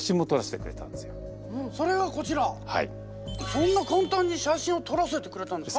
そんな簡単に写真を撮らせてくれたんですか？